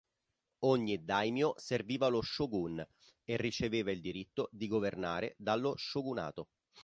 Ogni daimyo serviva lo Shogun e riceveva il diritto di governare dallo Shogunato.